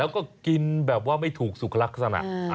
แล้วก็กินแบบว่าไม่ถูกสุขลักษณะ